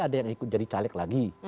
ada yang ikut jadi caleg lagi